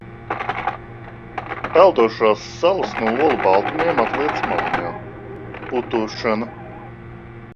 Peldošās salas no olu baltumiem, atliec maliņā. Putošana.